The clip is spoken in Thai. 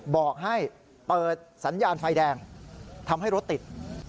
บอกให้เปิดสัญญาณไฟแดงทำให้รถติด